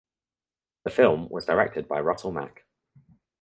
The film was directed by Russell Mack.